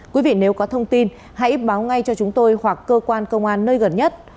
quý vị nếu có thông tin hãy báo ngay cho chúng tôi hoặc cơ quan công an nơi gần nhất